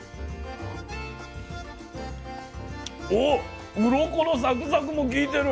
おっうろこのサクサクもきいてる。